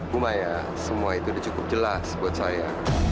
cuma ya semua itu udah cukup jelas buat saya